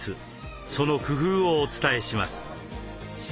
その工夫をお伝えします。